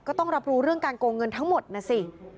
ก็ต้องรับรู้เรื่องการโกงเงินทั้งหมดนะสิ